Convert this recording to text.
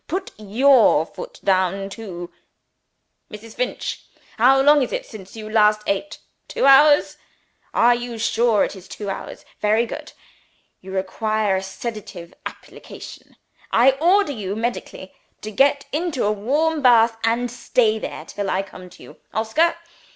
Put your foot down too. Mrs. Finch! how long is it since you ate last? Two hours? Are you sure it is two hours? Very good. You require a sedative application. I order you, medically, to get into a warm bath, and stay there till I come to you. Oscar!